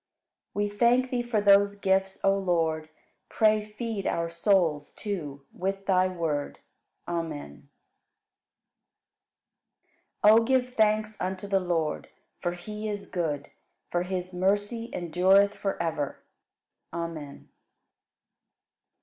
53. We thank Thee for those gifts, O Lord; Pray feed our souls, too, with Thy Word. Amen. 54. O give thanks unto the Lord, for He is good; for His mercy endureth forever. Amen.